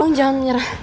tolong jangan menyerah